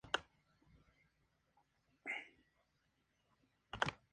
Fue entonces cuando volvió al Ecuador.